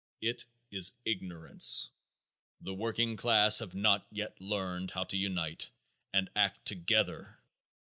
It is Ignorance. The working class have not yet learned how to unite and act together.